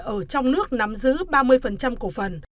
ở trong nước nắm giữ ba mươi cổ phần